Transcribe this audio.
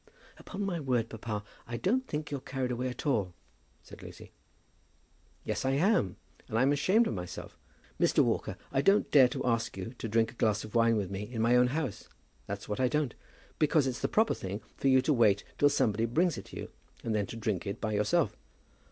"Upon my word, papa, I don't think you're carried away at all," said Lucy. "Yes, I am; and I'm ashamed of myself. Mr. Walker, I don't dare to ask you to drink a glass of wine with me in my own house, that's what I don't, because it's the proper thing for you to wait till somebody brings it you, and then to drink it by yourself.